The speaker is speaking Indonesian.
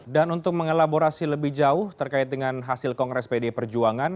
dan untuk mengelaborasi lebih jauh terkait dengan hasil kongres pdi perjuangan